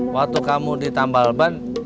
waktu kamu ditambal ban